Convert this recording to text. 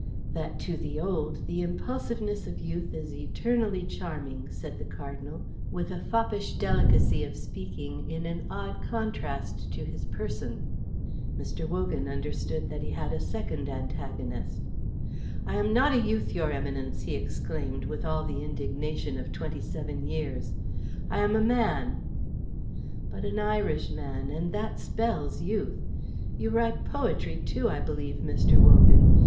"That to the old the impulsiveness of youth is eternally charming," said the Cardinal, with a foppish delicacy of speaking in an odd contrast to his person. Mr. Wogan understood that he had a second antagonist. "I am not a youth, your Eminence," he exclaimed with all the indignation of twenty seven years. "I am a man." "But an Irishman, and that spells youth. You write poetry too, I believe, Mr. Wogan.